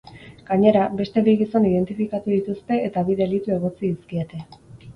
Gainera, beste bi gizon identifikatu dituzte eta bi delitu egotzi dizkiete.